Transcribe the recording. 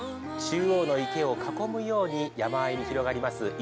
中央の池を囲むように山あいに広がります